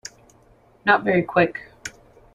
Not very Quick.